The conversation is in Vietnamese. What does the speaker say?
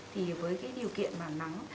thì với cái điều kiện mà nắng